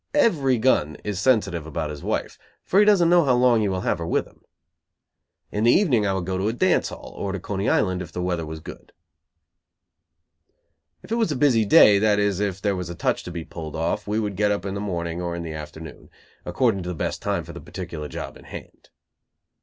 Every gun is sensitive about his wife, for he doesn't know how long he will have her with him. In the evening I would go to a dance hall; or to Coney Island if the weather was good. If it was a busy day, that is, if there was a touch to be pulled off, we would get up in the morning or the afternoon, according to the best time for the particular job in hand.